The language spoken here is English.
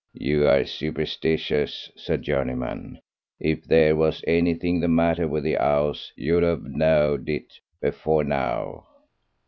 "You are that superstitious," said Journeyman. "If there was anything the matter with the 'ouse you'd've know'd it before now."